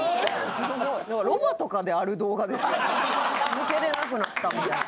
抜けれなくなったみたいな。